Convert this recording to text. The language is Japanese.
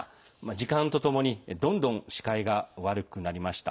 時間とともにどんどん視界が悪くなりました。